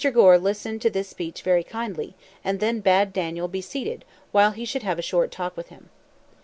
Gore listened to this speech very kindly, and then bade Daniel be seated while he should have a short talk with him.